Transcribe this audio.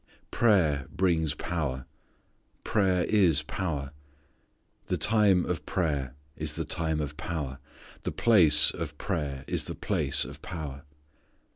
Prayer brings power. Prayer is power. The time of prayer is the time of power. The place of prayer is the place of power.